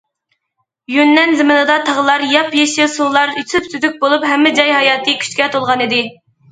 يۈننەن زېمىنىدا تاغلار ياپيېشىل، سۇلار سۈپسۈزۈك بولۇپ، ھەممە جاي ھاياتىي كۈچكە تولغانىدى.